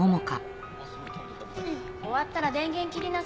終わったら電源切りなさい。